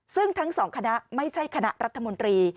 ซึ่งทั้งสองคณะไม่ใช่คณะรัฐมนตรี